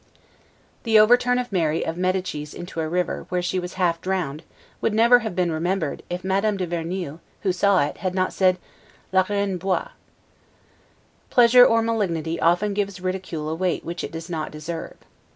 The overturn of Mary of Medicis into a river, where she was half drowned, would never have been remembered if Madame de Vernuel, who saw it, had not said 'la Reine boit'. Pleasure or malignity often gives ridicule a weight which it does not deserve.